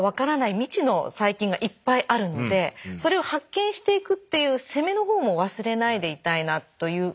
未知の細菌がいっぱいあるのでそれを発見していくっていう攻めのほうも忘れないでいたいなということも思います。